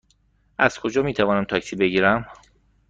از کجا می توانم تاکسی بگیرم؟